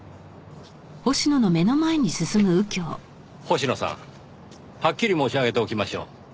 星野さんはっきり申し上げておきましょう。